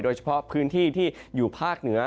โดยเฉพาะพื้นที่ที่อยู่ภาคเหนือ